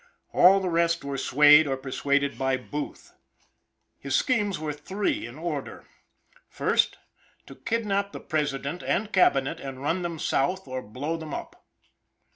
All the rest were swayed or persuaded by Booth; his schemes were three in order: 1st. To kidnap the President and Cabinet, and run them South or blow them up.